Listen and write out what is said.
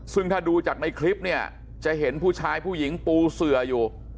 ซึ่งถ้าดูจากในคลิปเนี่ยจะเห็นผู้ชายผู้หญิงปูเสืออยู่